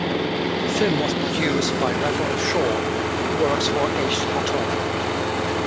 The film was produced by Raphael Shore, who works for Aish HaTorah.